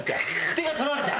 手が取られた。